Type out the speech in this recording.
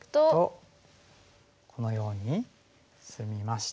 このように進みまして。